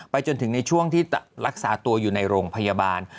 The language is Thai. จนถึงในช่วงที่รักษาตัวอยู่ในโรงพยาบาล